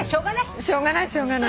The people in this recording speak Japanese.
しょうがないしょうがない。